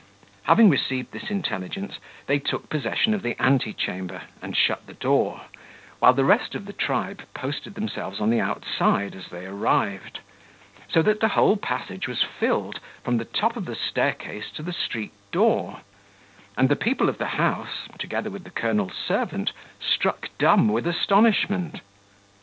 Having received this intelligence, they took possession of his ante chamber, and shut the door, while the rest of the tribe posted themselves on the outside as they arrived; so that the whole passage was filled, from the top of the staircase to the street door; and the people of the house, together with the colonel's servant, struck dumb with astonishment.